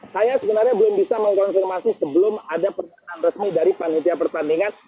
saya sebenarnya belum bisa mengkonfirmasi sebelum ada pertanyaan resmi dari panitia pertandingan